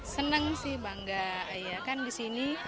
senang sih bangga disini